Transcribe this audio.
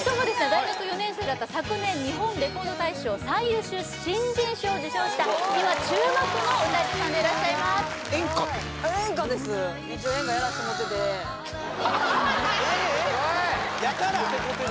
大学４年生だった昨年日本レコード大賞最優秀新人賞を受賞した今注目の歌い手さんでいらっしゃいます演歌ってこと？